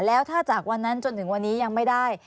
แล้วถ้าจากวันนั้นจนถึงวันนี้ยังไม่ได้